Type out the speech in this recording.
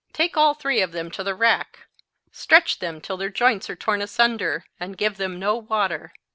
Take all three of them to the rack. Stretch them till their joints are torn asunder, and give them no water.